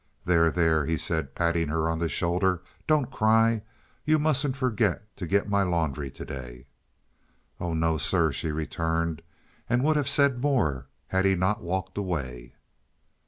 "There, there," he said, patting her on the shoulder. "Don't cry. You mustn't forget to get my laundry to day." "Oh no, sir," she returned, and would have said more had he not walked away.